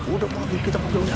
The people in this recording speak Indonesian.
udah udah kita pake uang